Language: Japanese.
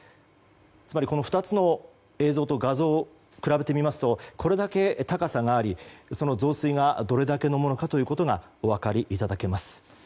つまり、この２つの映像と画像を比べてみますとこれだけ高さがあり、その増水がどれだけのものかというのがお分かりいただけます。